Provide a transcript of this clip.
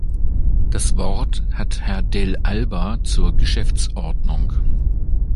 Das Wort hat Herr Dell'Alba zur Geschäftsordnung.